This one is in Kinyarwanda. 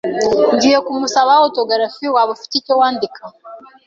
Ngiye kumusaba autografi. Waba ufite icyo wandika?